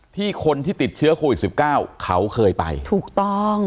คนที่ติดเชื้อโควิดสิบเก้าเขาเคยไปถูกต้อง